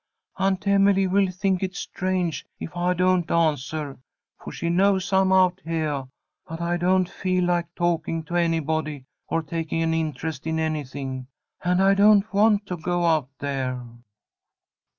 "Aunt Emily will think it strange if I don't answer, for she knows I'm out heah, but I don't feel like talking to anybody or taking an interest in anything, and I don't want to go out there!"